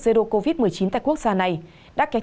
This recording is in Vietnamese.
xây đổi covid một mươi chín tại quốc gia này đã kéo